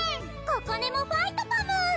ここねもファイトパム！